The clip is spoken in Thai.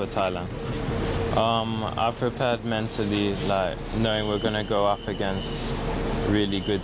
สำหรับทีมที่ดีอย่างออสเตรเลีย